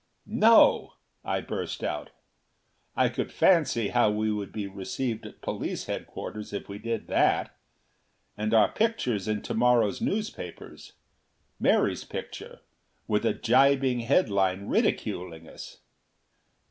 "No!" I burst out. I could fancy how we would be received at Police Headquarters if we did that! And our pictures in to morrow's newspapers. Mary's picture, with a jibing headline ridiculing us.